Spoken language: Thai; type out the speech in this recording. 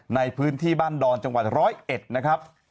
ในพื้นที่บ้านดอนจังหวัด๑๐๑นะครับ